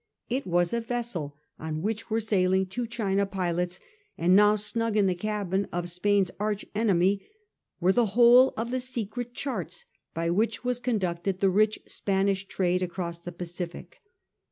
It was a vessel on which were sailing two China pilots, and now snug in the cabin of Spain's arch enemy were the whole of the secret charts by which was conducted the rich Spanish trade across the Pacific.